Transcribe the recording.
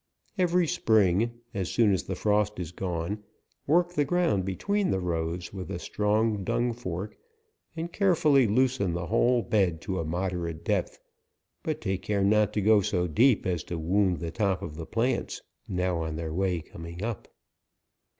Every spring, as soon as the frost is gone, work the ground between the rows with a strong dung fork, and carefully loosen the whole bed to a moderate depth; but take care not to go so deep as to wound the top of the plants, now on their way coming up.